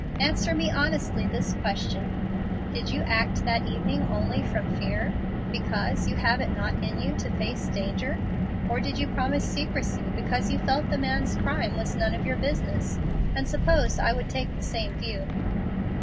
Answer me honestly this question. Did you act that evening only from fear because you have it not in you to face danger? or did you promise secrecy because you felt the man's crime was none of your business, and supposed I would take the same view?"